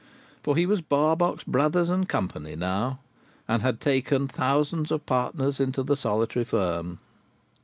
For he was Barbox Brothers and Co. now, and had taken thousands of partners into the solitary firm.